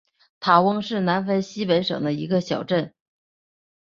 塔翁是南非西北省的一个小镇。